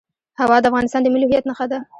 هوا د افغانستان د ملي هویت نښه ده.